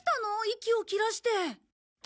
息を切らして。